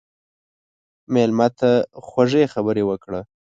مېلمه ته خوږې خبرې وکړه.